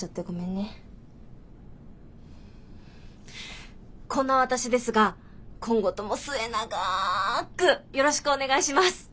こんな私ですが今後とも末永くよろしくお願いします。